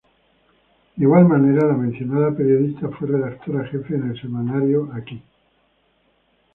De igual manera, la mencionada periodista fue redactora jefa en el semanario "Aquí".